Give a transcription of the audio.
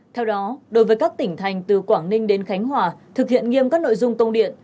theo đó đối với các tỉnh thành từ quảng ninh đến khánh hòa thực hiện nghiêm các nội dung công điện